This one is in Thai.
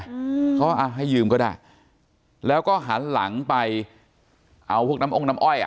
อืมเขาอ่ะให้ยืมก็ได้แล้วก็หันหลังไปเอาพวกน้ำอ้องน้ำอ้อยอ่ะ